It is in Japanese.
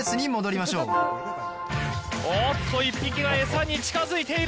おっと１匹が餌に近づいている。